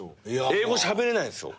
英語しゃべれないんすよ。